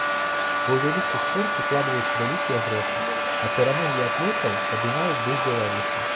Бо ў вялікі спорт укладваюцца вялікія грошы, а перамогі атлетаў падымаюць дух беларусаў.